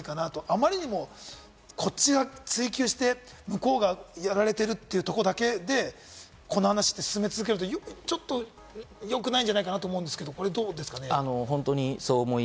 あまりにも追及して向こうがやられてるってとこだけで、この話って進め続けると、ちょっとよくないんじゃないかと思うんですけれども、どうですか？